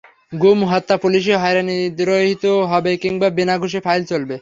গুম, হত্যা, পুলিশি হয়রানি তিরোহিত হবে কিংবা বিনা ঘুষে ফাইল চলবে।